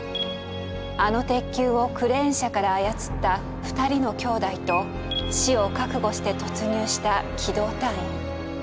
あの鉄球をクレーン車から操った２人の兄弟と死を覚悟して突入した機動隊員。